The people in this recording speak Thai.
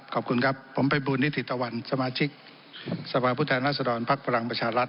กับสุมัน